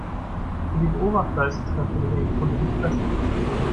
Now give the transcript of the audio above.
Für die Beobachter ist es natürlich ein gefundenes Fressen.